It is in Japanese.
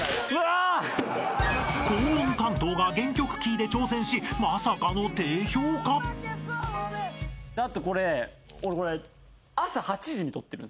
［高音担当が原曲キーで挑戦しまさかの低評価］うわ言い訳。